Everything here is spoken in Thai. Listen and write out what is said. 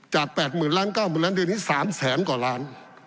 จาก๘๐๐๐๐ล้าน๙๐๐๐๐ล้านทีนี้๓๐๐๐๐๐กว่าล้าน